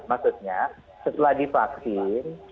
maksudnya setelah divaksin